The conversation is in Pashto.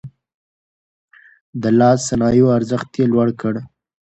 د لاس صنايعو ارزښت يې لوړ کړ.